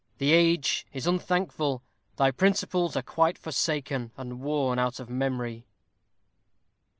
The age is unthankful, thy principles are quite forsaken, and worn out of memory.